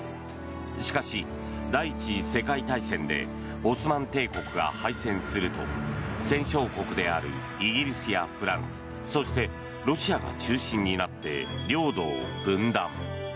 しかし、第１次世界大戦でオスマン帝国が敗戦すると戦勝国であるイギリスやフランスそして、ロシアが中心になって領土を分断。